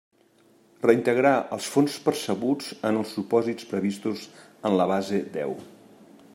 Reintegrar els fons percebuts en els supòsits previstos en la base deu.